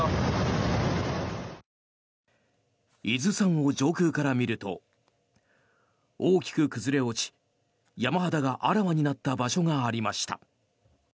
伊豆山を上空から見ると大きく崩れ落ち山肌があらわになった場所がありました。